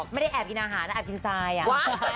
ไม่ได้แอบกินอาหารแต่แอบกินไสก์